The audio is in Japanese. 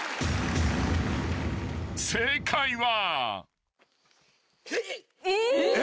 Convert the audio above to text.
［正解は］